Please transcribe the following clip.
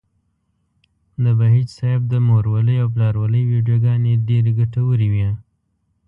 د بهيج صاحب د مورولۍ او پلارولۍ ويډيوګانې ډېرې ګټورې وې.